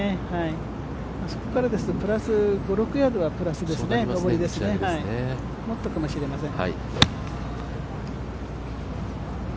そこからですとプラス５６ヤードになりますねもっとかもしれません。